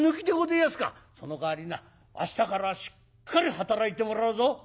「そのかわりな明日からしっかり働いてもらうぞ」。